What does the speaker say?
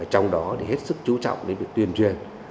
trong đó hết sức chú trọng đến việc tuyên truyền